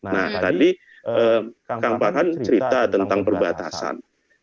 nah tadi kang farhan cerita tentang perbatasan